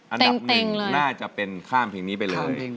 อันดับหนึ่งน่าจะเป็นข้ามเพลงนี้ไปเลย